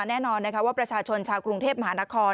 แน่นอนนะคะว่าประชาชนชาวกรุงเทพมหานคร